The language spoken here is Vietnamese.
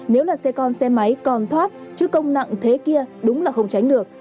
nếu là xe con xe máy còn thoát chứ công nặng thế kia đúng là không tránh được